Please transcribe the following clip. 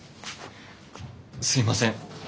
すいません